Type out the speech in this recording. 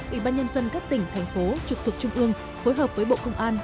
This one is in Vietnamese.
ủy ban nhân dân các tỉnh thành phố trực thuộc trung ương phối hợp với bộ công an